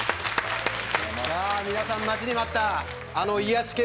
皆さん待ちに待ったあの癒やし系